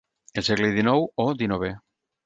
El segle dinou o dinovè.